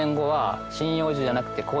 針葉樹じゃなくて。